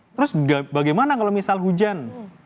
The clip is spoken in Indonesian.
terus bagaimana kalau misal hujan